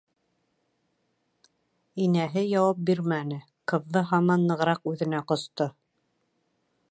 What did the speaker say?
Инәһе яуап бирмәне, ҡыҙҙы һаман нығыраҡ үҙенә ҡосто...